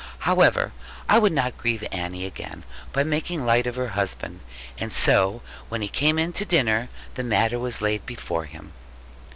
However, I would not grieve Annie again by making light of her husband; and so when he came in to dinner, the matter was laid before him.